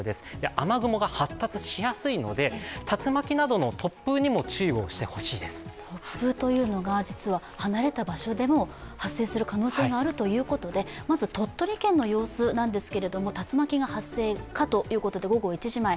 雨雲が発達しやすいので、竜巻などの突風などにも突風というのが、実は離れた場所でも発生する可能性があるということで鳥取県の様子なんですけど、竜巻が発生かということで、午後１時前。